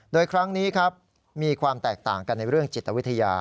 โดยครั้งนี้ครับมีความแตกต่างกันในเรื่องจิตวิทยา